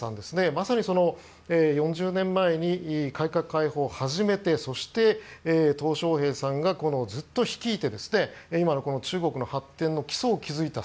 まさに、４０年前に改革開放を始めてそして、トウ・ショウヘイさんがずっと率いて今の中国の発展の基礎を築いた。